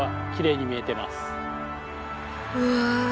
うわ！